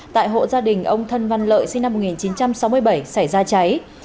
tại hộ gia đình ông thân văn lợi sinh năm một nghìn chín trăm sáu mươi bảy xảy ra cháy